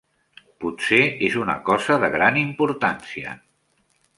Potser és una cosa de gran importància.